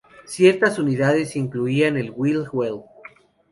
Ciertas unidades incluían el Wii Wheel.